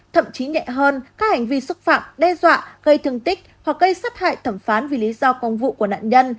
thậm chí nhẹ hơn các hành vi xúc phạm đe dọa gây thương tích hoặc gây sát hại thẩm phán vì lý do công vụ của nạn nhân